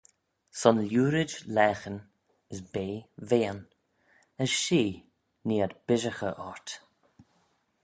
Son lhiurid laghyn, as bea veayn, as shee, nee ad bishaghey ort.